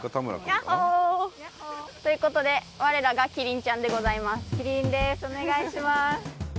やっほ！ということで我らが希林ちゃんでございます！